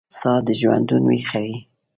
ساه دژوندون ویښوي